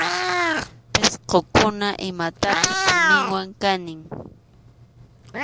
Pisqukuna imatapas siminwan kaniy.